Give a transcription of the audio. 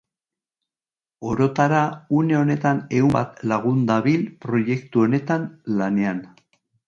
Orotara une honetan ehun bat lagun dabil proiektu honetan lanean.